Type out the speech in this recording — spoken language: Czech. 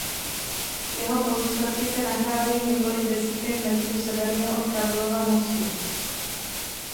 Jeho pozůstatky se nacházejí několik desítek metrů severně od Karlova mostu.